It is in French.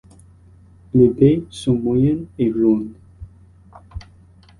Les baies sont moyennes et rondes.